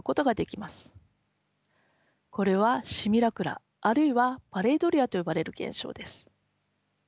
これはシミュラクラあるいはパレイドリアと呼ばれる現象です。